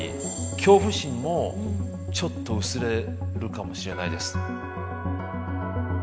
恐怖心もちょっと薄れるかもしれないです。